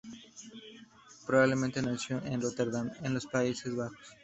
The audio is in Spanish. Probablemente nació en Róterdam, en los Países Bajos.